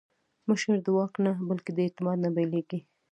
مشري د واک نه، بلکې د اعتماد نه پیلېږي